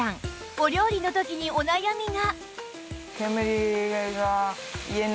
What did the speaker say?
お料理の時にお悩みが